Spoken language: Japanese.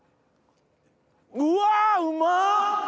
うわうまっ！